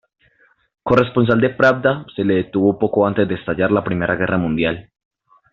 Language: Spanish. Corresponsal de "Pravda", se le detuvo poco antes de estallar la Primera Guerra Mundial.